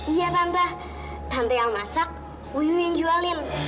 iya tante tante yang masak wiwi yang jualin